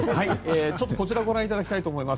こちらをご覧いただきたいと思います。